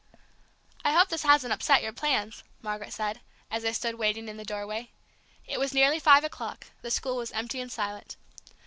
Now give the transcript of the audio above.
"I hope this hasn't upset your plans," Margaret said, as they stood waiting in the doorway. It was nearly five o'clock, the school was empty and silent.